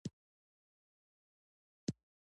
غوړ په بدن کې انرژي ذخیره کوي او بدن ګرم ساتي